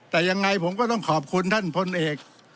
แต่ยังไงผมก็ต้องขอบคุณท่านพลเอก